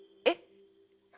えっ？